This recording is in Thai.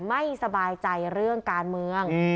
ไม่สบายใจเรื่องการเมือง